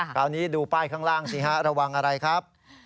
คราวนี้ดูป้ายข้างล่างสิฮะระวังอะไรครับ